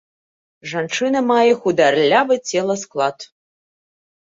Жанчына мае хударлявы целасклад.